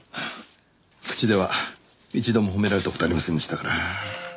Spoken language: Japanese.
口では一度も褒められた事はありませんでしたから。